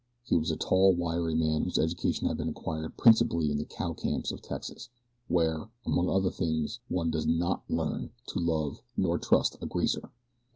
He was a tall, wiry man whose education had been acquired principally in the cow camps of Texas, where, among other things one does NOT learn to love nor trust a greaser.